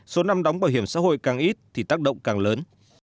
số năm đóng bảo hiểm xã hội càng ít thì tác động càng lớn